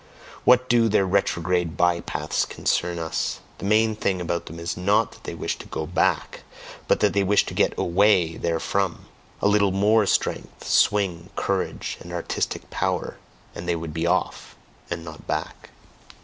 what do their retrograde by paths concern us! The main thing about them is NOT that they wish to go "back," but that they wish to get AWAY therefrom. A little MORE strength, swing, courage, and artistic power, and they would be OFF and not back!